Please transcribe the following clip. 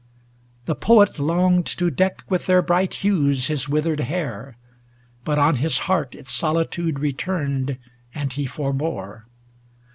The Poet longed To deck with their bright hues his withered hair, But on his heart its solitude returned, And he forbore.